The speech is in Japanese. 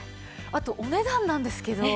あとお値段なんですけど。